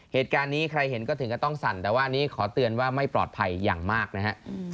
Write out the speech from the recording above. เหตุการณ์นี้ใครเห็นก็ถึงก็ต้องสั่นแต่ว่าอันนี้ขอเตือนว่าไม่ปลอดภัยอย่างมากนะฮะ